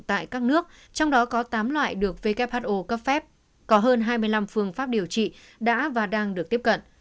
tại các nước trong đó có tám loại được who cấp phép có hơn hai mươi năm phương pháp điều trị đã và đang được tiếp cận